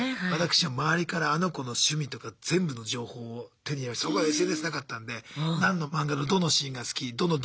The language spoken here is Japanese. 私は周りからあの子の趣味とか全部の情報を手に入れましてそのころＳＮＳなかったんで何の漫画のどのシーンが好き